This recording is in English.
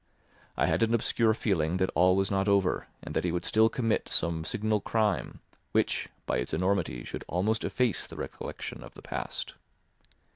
I had an obscure feeling that all was not over and that he would still commit some signal crime, which by its enormity should almost efface the recollection of the past.